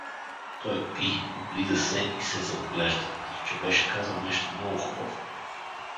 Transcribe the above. Той пи, облиза се и се заоглежда, като че беше казал нещо много хубаво.